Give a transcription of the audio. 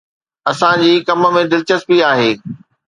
اسان جي ڪم ۾ دلچسپي آهي